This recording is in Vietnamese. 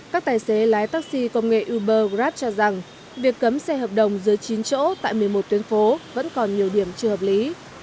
các tài xế lái taxi công nghệ uber grab cho rằng việc cấm xe hợp đồng dưới chín chỗ tại một mươi một tuyến phố vẫn còn nhiều điểm chưa hợp lý